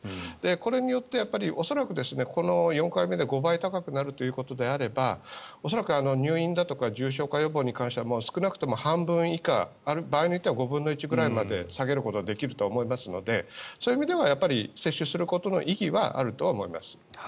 これによって恐らく、４回目で５倍高くなるということであれば恐らく入院だとか重症化予防に関しては少なくとも半分以下場合によっては５分の１くらいまで下げることができると思いますのでそういう意味では接種することの意義はあると思います。